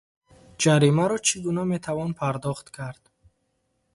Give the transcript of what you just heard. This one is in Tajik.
Ҷаримаро чӣ гуна метавон пардохт кард?